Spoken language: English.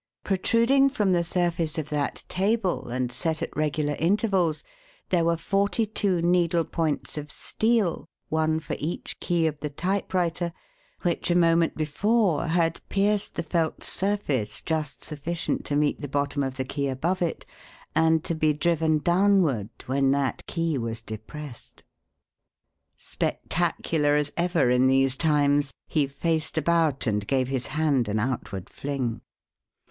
Protruding from the surface of that table and set at regular intervals there were forty two needle points of steel one for each key of the typewriter which a moment before had pierced the felt's surface just sufficient to meet the bottom of the "key" above it, and to be driven downward when that key was depressed. Spectacular as ever in these times, he faced about and gave his hand an outward fling.